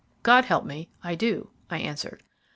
"God help me, I do," I answered.